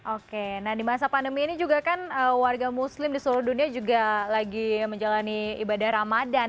oke nah di masa pandemi ini juga kan warga muslim di seluruh dunia juga lagi menjalani ibadah ramadan